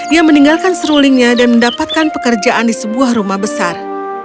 ia meninggalkan serulingnya dan mendapatkan pekerjaan di sebuah rumah besar